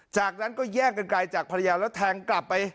จากนั้นก็แย่งกันไกลจากภรรยาแล้วแทงกลับไป